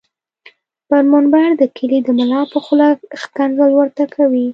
پر منبر د کلي دملا په خوله ښکنځل ورته کوي